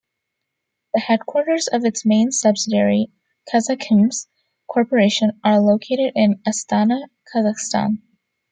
The headquarters of its main subsidiary, Kazakhmys Corporation, are located in Astana, Kazakhstan.